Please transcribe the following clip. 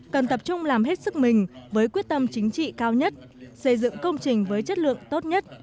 cần tập trung làm hết sức mình với quyết tâm chính trị cao nhất xây dựng công trình với chất lượng tốt nhất